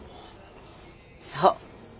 そう。